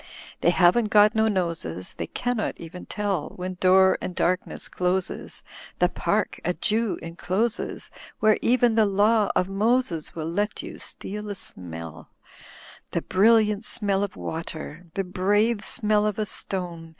''They haven't got no noses. They cannot even tell When door and darkness closes The park a Jew encloses. Where even the Law of Moses Will let you steal a smell; The brilliant smell of water. The brave smell of a stone.